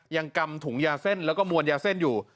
กำถุงยาเส้นแล้วก็มวลยาเส้นอยู่